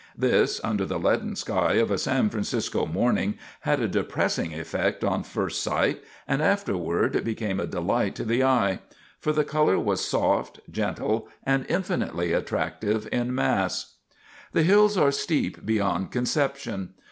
This, under the leaden sky of a San Francisco morning, had a depressing effect on first sight and afterward became a delight to the eye. For the color was soft, gentle and infinitely attractive in mass. The hills are steep beyond conception.